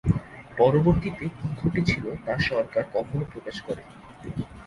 পরবর্তীতে কী ঘটেছিল তা সরকার কখনো প্রকাশ করেনি।